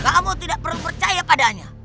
kamu tidak perlu percaya padanya